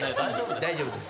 大丈夫です。